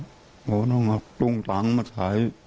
เพราะว่าต้องเอาตรงตังค์มาถ่าย